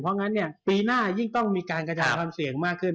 เพราะงั้นเนี่ยปีหน้ายิ่งต้องมีการกระจายความเสี่ยงมากขึ้น